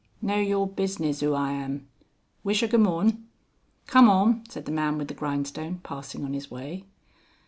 "No your business whoaaam. Wishergoomorn." "Carm on:" said the man with the grindstone, passing on his way.